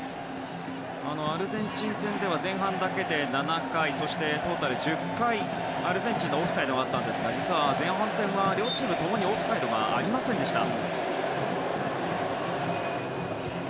アルゼンチン戦では前半だけで７回トータル１０回、アルゼンチンのオフサイドがありましたが実は前半戦は、両チーム共にオフサイドがありませんでした。